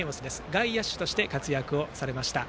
外野手として活躍されました。